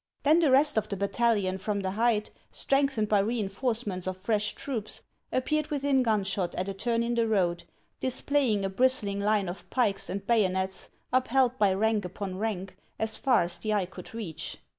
Then the rest of the bat talion from the height, strengthened by reinforcements of fresh troops, appeared within gunshot at a turn in the road, displaying a bristling line of pikes and bayonets upheld by rank upon rank as far as the eye could reach.